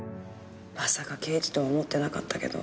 まさか刑事とは思ってなかったけど。